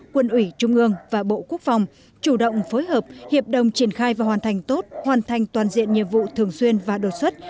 quân ủy trung ương và bộ quốc phòng chủ động phối hợp hiệp đồng triển khai và hoàn thành tốt hoàn thành toàn diện nhiệm vụ thường xuyên và đột xuất